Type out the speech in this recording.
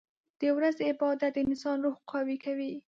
• د ورځې عبادت د انسان روح قوي کوي.